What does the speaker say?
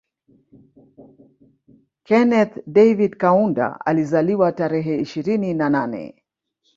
Kenneth David Kaunda alizaliwa tarehe ishirini na nane